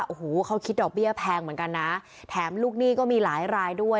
โอ้โหเขาคิดดอกเบี้ยแพงเหมือนกันนะแถมลูกหนี้ก็มีหลายรายด้วย